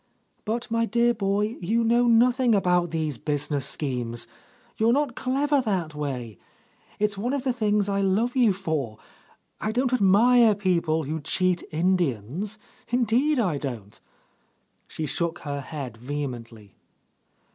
"But, my dear boy, you know noth ing about these business schemes. You're not clever that way, — it's one of the things I love you for. I don't admire people who cheat Indians. Indeed I don't !" She shook her head vehemently.